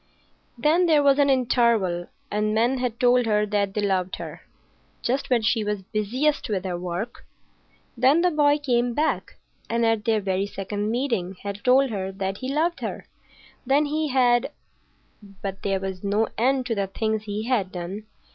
Then there was an interval, and men had told her that they loved her—just when she was busiest with her work. Then the boy came back, and at their very second meeting had told her that he loved her. Then he had—— But there was no end to the things he had done.